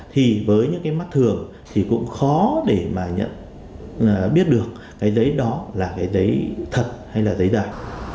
thì với những cái mắt thường thì cũng khó để mà nhận biết được cái giấy đó là cái giấy thật hay là giấy tờ